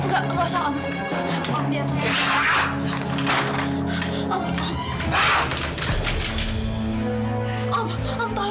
gak gak usah om